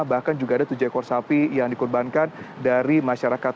bahkan juga ada tujuh ekor sapi yang dikorbankan dari masyarakat